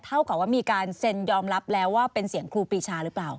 เท่ากับว่ามีการเซ็นยอมรับแล้วว่าเป็นเสียงครูปีชาหรือเปล่า